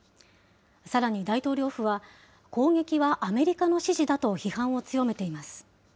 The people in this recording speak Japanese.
さらに大統領府は、攻撃はアメリカの指示だと批判を強めています。